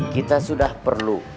kita sudah perlu